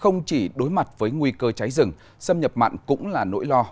không chỉ đối mặt với nguy cơ cháy rừng xâm nhập mặn cũng là nỗi lo